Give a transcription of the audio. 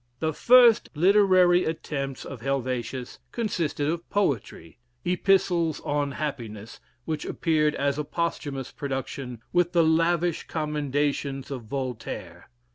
The first literary attempts of Helvetius consisted of poetry "Epistles on Happiness," which appeared as a posthumous production, with the "lavish commendations" of Voltaire.